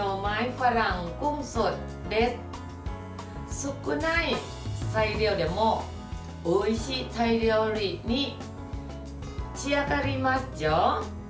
少ない材料でもおいしいタイ料理に仕上がりますよ。